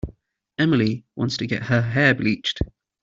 Emily wants to get her hair bleached.